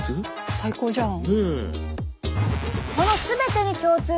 最高じゃん！